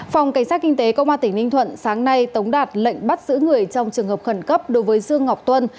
phòng cảnh sát kinh tế công an tỉnh ninh thuận sáng nay tống đạt lệnh bắt giữ người trong trường hợp khẩn cấp đối với dương ngọc tuân